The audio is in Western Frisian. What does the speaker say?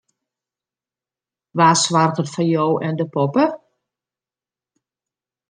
Wa soarget foar jo en de poppe?